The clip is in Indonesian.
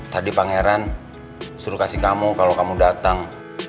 tadi pangeran suruh kasih kamu kalau kamu datang